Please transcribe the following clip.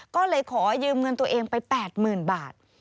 ก็เลยขอยืมเงินตัวเองไป๘๐๐๐บาท